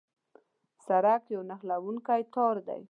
سړک یو نښلوی تار دی.